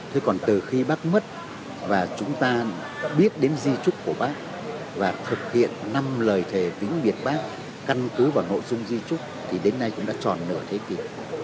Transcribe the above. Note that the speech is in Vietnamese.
thế còn từ khi bác mất và chúng ta biết đến di trúc của bác và thực hiện năm lời thềm biệt bác căn cứ vào nội dung di trúc thì đến nay cũng đã tròn nửa thế kỷ